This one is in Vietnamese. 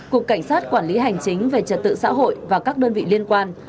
cục cảnh sát quản lý hành chính về trật tự xã hội và các đơn vị liên quan